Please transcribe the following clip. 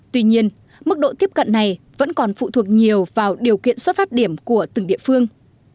tuy nhiên mức độ tiếp cận này vẫn còn phụ thuộc nhiều vào điều kiện xuất phát điểm của từng địa phương